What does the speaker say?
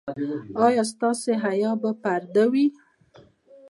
ایا ستاسو حیا به پرده وي؟